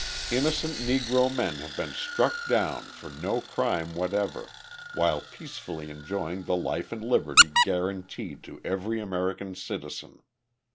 Innocent Negro men have been struck down for no crime whatever, while peacefully enjoying the life and liberty guaranteed to every American citizen.